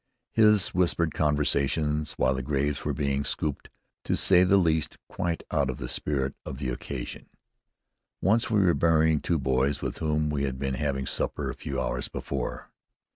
His whispered conversations while the graves were being scooped were, to say the least, quite out of the spirit of the occasion. Once we were burying two boys with whom we had been having supper a few hours before.